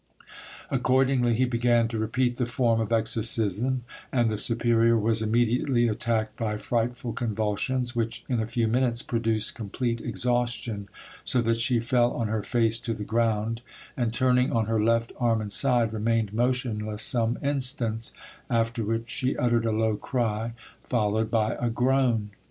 Accordingly he began to repeat the form of exorcism, and the superior was immediately attacked by frightful convulsions, which in a few minutes produced complete exhaustion, so that she fell on her face to the ground, and turning on her left arm and side, remained motionless some instants, after which she uttered a low cry, followed by a groan.